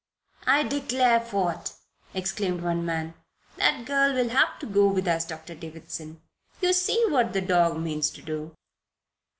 "I declare for't," exclaimed one man. "That girl will have to go with us, Doctor Davison. You see what the dog means to do."